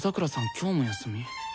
今日も休み？